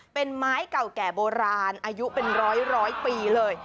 เป็นไม้เก่าแก่โบราณอายุเป็นร้อยปีเลย